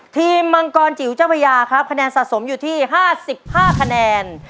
มังกรจิ๋วเจ้าพระยาครับคะแนนสะสมอยู่ที่๕๕คะแนน